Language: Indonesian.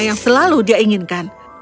yang selalu dia inginkan